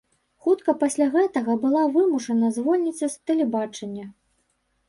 Хутка пасля гэтага была вымушана звольніцца з тэлебачання.